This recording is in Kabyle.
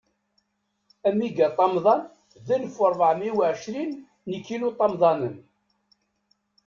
Amigaṭamḍan, d alef u rebɛa u ɛecrin n ikiluṭamḍanen.